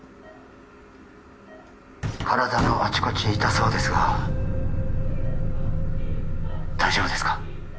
体のあちこち痛そうですが大丈夫ですか？